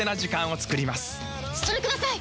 それください！